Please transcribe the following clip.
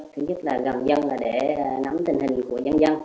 thứ nhất là gần dân là để nắm tình hình của nhân dân